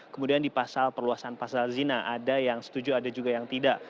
kemudian di pasal perluasan pasal zina ada yang setuju ada juga yang tidak